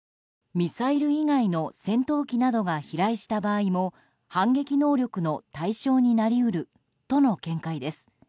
ミサイル以外の戦闘機などが飛来した場合も反撃能力の対象になり得るとの見解です。